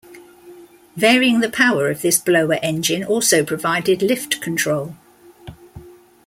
Varying the power of this blower engine also provided lift control.